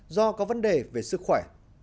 do có vấn đề về sức khỏe